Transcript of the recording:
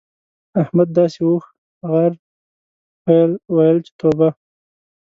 احمد داسې اوښ، غر، پيل؛ ويل چې توبه!